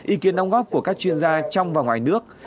ý kiến đóng góp của các chuyên gia trong và ngoài nước